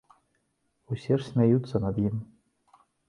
Усе ж смяюцца над ім.